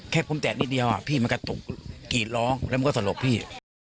แค่ผมแตะนิดเดียวพี่มันกระตุกกีดร้องแล้วมันก็สลบพี่